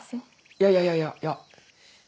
いやいやいやいやいや。